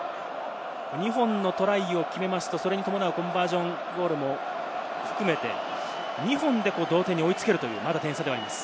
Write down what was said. ２本のトライを決めますと、それに伴うコンバージョンゴールも含めて２本で追いつける点差になります。